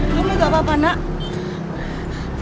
memang mereka nggak peduli